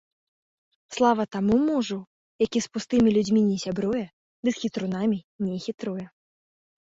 Слава таму мужу, які з пустымі людзьмі не сябруе ды з хітрунамі не хітруе.